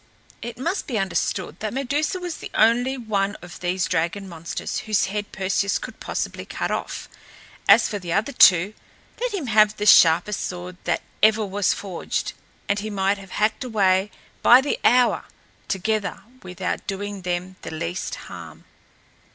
It must be understood that Medusa was the only one of these dragon monsters whose head Perseus could possibly cut off. As for the other two, let him have the sharpest sword that ever was forged, and he might have hacked away by the hour together without doing them the least harm.